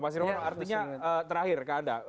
mas irwono artinya terakhir ke anda